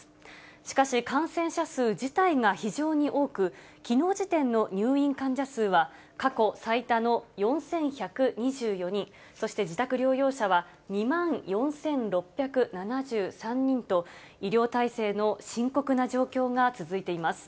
しかし、感染者数自体が非常に多く、きのう時点の入院患者数は過去最多の４１２４人、そして自宅療養者は２万４６７３人と、医療体制の深刻な状況が続いています。